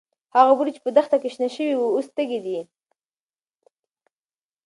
هغه بوټي چې په دښته کې شنه شوي وو، اوس تږي دي.